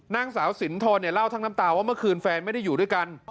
นางสาวสินทรเนี่ยเล่าทั้งน้ำตาว่าเมื่อคืนแฟนไม่ได้อยู่ด้วยกัน